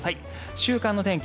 週間の天気